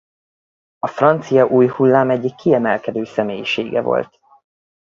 A francia új hullám egyik kiemelkedő személyisége volt.